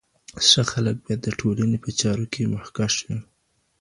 ښه خلک باید د ټولني په چارو کي مخکښ وي.